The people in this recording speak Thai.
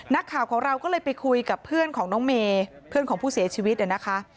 นักข่าวของเราก็เลยไปคุยกับเพื่อนของน้องเมย์เพื่อนของผู้เสียชีวิตนะคะ